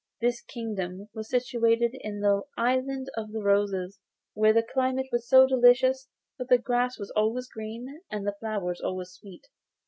This kingdom was situated in the Island of Roses, where the climate is so delicious that the grass is always green and the flowers always sweet.